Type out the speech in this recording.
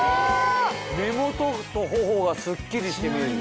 目元と頬がスッキリして見える。